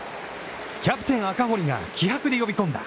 キャプテン赤堀が気迫で呼び込んだ